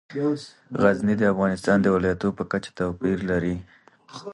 غزني د افغانستان د ولایاتو په کچه توپیر لري.